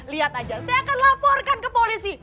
lihat aja saya akan laporkan ke polisi